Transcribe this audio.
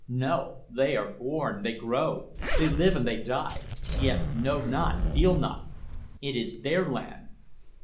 No. They are born, they grow, they live and they die yet know not, feel not. It is their land."